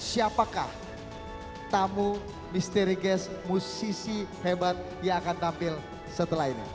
siapakah tamu misteri guest musisi hebat yang akan tampil setelah ini